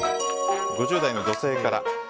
５０代の女性から。